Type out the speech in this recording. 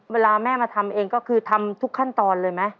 เวลาแม่มาทำเองก็คือทำทุกขั้นตอนเลยไหม